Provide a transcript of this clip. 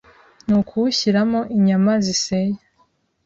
ni ukuwushyiramo inyama ziseye,